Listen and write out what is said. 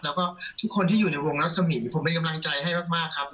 แล้วก็ทุกคนที่อยู่ในวงรัศมีร์ผมเป็นกำลังใจให้มากครับ